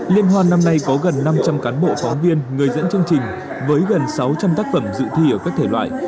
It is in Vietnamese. liên hoan năm nay có gần năm trăm linh cán bộ phóng viên người dẫn chương trình với gần sáu trăm linh tác phẩm dự thi ở các thể loại